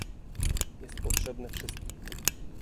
Jest potrzebne wszystkim